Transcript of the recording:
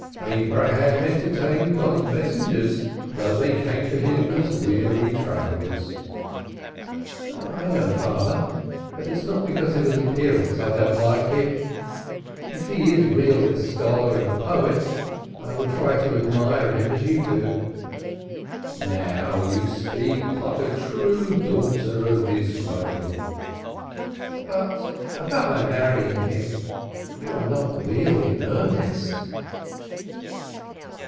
Abraham entertained God's messengers though they came as weary travellers." "I know, father, it is not because of his appearance that I do not like him. If he is really a scholar and a poet, I will try to admire him as you do." "Now you speak like a true daughter of Israel." "But about my marrying him you are not really in earnest?"